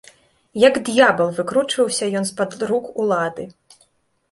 Як д'ябал, выкручваўся ён з-пад рук улады.